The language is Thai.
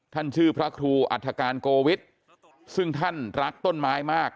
ท่านชื่อพระครูอัฐการโกวิทย์ซึ่งท่านรักต้นไม้มาก